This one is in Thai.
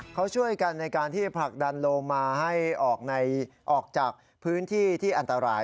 เขาช่วยกันในการที่ผลักดันโลมาให้ออกจากพื้นที่ที่อันตราย